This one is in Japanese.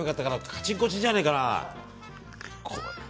カチコチじゃねえかな。